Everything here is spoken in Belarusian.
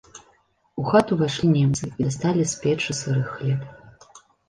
У хату ўвайшлі немцы і дасталі з печы сыры хлеб.